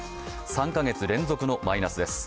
３か月連続のマイナスです。